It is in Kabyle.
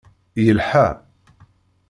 Yelḥa.